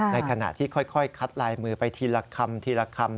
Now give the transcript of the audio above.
ในขณะที่ค่อยคัดลายมือไปทีละคำทีละคำ